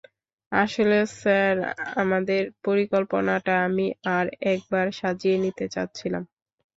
আসলে, স্যার, আমাদের পরিকল্পনাটা আমি আর একবার সাজিয়ে নিতে চাচ্ছিলাম।